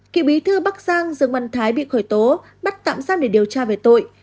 cựu bí thư bắc giang dương văn thái bị khởi tố bắt tạm giam để điều tra về tội